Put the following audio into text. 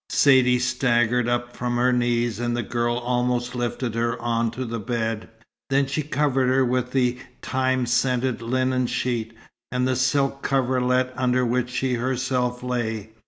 Saidee staggered up from her knees, and the girl almost lifted her on to the bed. Then she covered her with the thyme scented linen sheet, and the silk coverlet under which she herself lay.